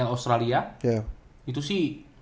nbl australia ya itu sih